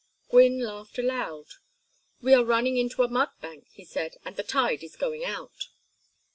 Gwynne laughed aloud. "We are running into a mud bank," he said, "and the tide is going out."